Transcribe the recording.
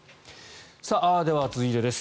では、続いてです。